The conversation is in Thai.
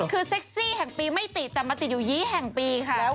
คือเซ็กซี่แห่งปีไม่ติดแต่มาติดอยู่๒แห่งปีค่ะ